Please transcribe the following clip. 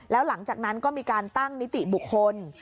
แล้วหลังจากนั้นก็มีการตั้งนิติบุคคล